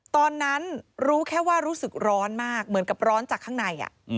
ตอนนั้นรู้แค่ว่ารู้สึกร้อนมากเหมือนกับร้อนจากข้างใน